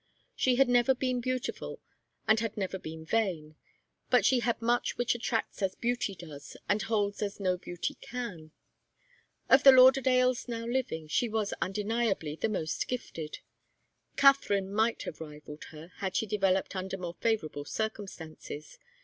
She had never been beautiful and had never been vain, but she had much which attracts as beauty does, and holds as no beauty can. Of the Lauderdales now living, she was undeniably the most gifted. Katharine might have rivalled her, had she developed under more favourable circumstances.